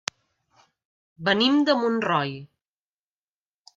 Venim de Montroi.